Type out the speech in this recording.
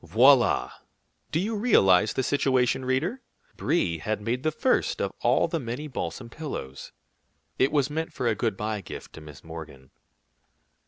Voilà! Do you realize the situation, reader? Brie had made the first of all the many balsam pillows. It was meant for a good by gift to Miss Morgan.